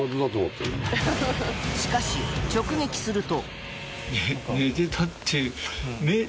しかし、直撃すると。